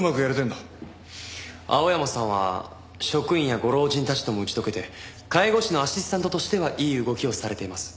青山さんは職員やご老人たちとも打ち解けて介護士のアシスタントとしてはいい動きをされています。